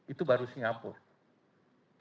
itu baru singapura